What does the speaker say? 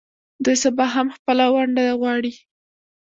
دوی سبا هم خپله ونډه غواړي.